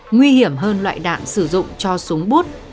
nguy hiểm hơn loại đạn sử dụng cho súng bút